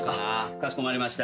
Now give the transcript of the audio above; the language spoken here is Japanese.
かしこまりました。